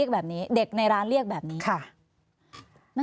เด็กในร้านเรียกแบบนี้ค่ะนะคะ